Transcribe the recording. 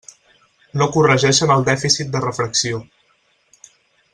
No corregeixen el dèficit de refracció.